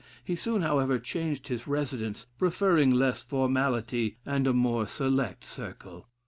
He soon, however, changed his residence, preferring less formality and a more select circle.